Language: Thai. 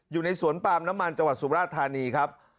อยู่ในสวนปาล์มน้ำมันจังหวัดสุราธานีครับ